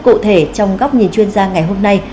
cụ thể trong góc nhìn chuyên gia ngày hôm nay